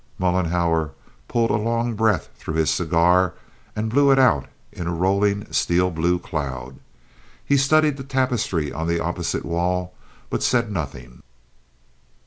Mollenhauer pulled a long breath through his cigar, and blew it out in a rolling steel blue cloud. He studied the tapestry on the opposite wall but said nothing.